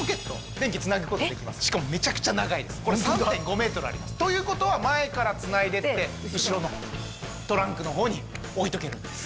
しかもめちゃくちゃ長いですこれ３．５ｍあります。ということは前からつないでって後ろのトランクの方に置いとけるんです。